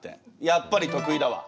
やっぱり得意だわ。